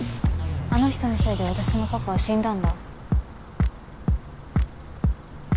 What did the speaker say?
あの人のせいで私のパパは死んだんだ。